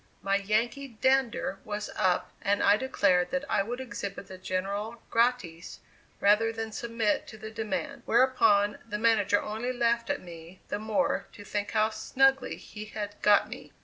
My Yankee "dander" was up and I declared that I would exhibit the General gratis rather than submit to the demand. Whereupon, the manager only laughed at me the more to think how snugly he had got me.